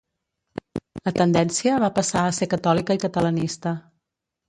La tendència va passar a ser catòlica i catalanista.